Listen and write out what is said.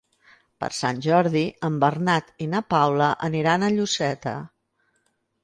Per Sant Jordi en Bernat i na Paula aniran a Lloseta.